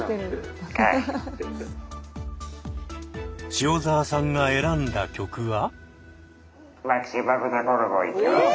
塩澤さんが選んだ曲は。